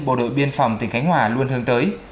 bộ đội biên phòng tỉnh khánh hòa luôn hướng tới